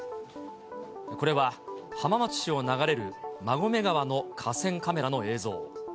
これは浜松市を流れる馬込川の河川カメラの映像。